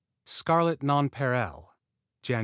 Scarlet Nonpareil Jan.